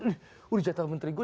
waduh jatuh menteri gue